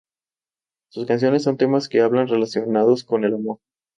Sus canciones son temas que hablan relacionados con el amor.